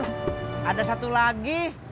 eh ada satu lagi